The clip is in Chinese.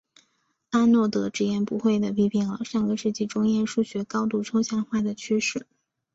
阿诺德直言不讳地批评了上个世纪中叶数学高度抽象化的趋势。